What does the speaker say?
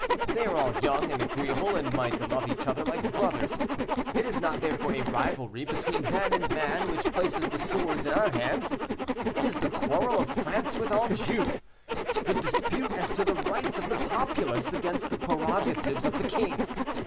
They are all young, and agreeable, and might love each other like brothers: it is not, therefore, a rivalry between man and man, which places the swords in our hands; it is the quarrel of France with Anjou, the dispute as to the rights of the populace against the prerogatives of the king.